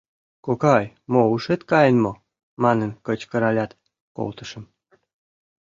«Кокай, мо, ушет каен мо?» манын кычкыралят, колтышым.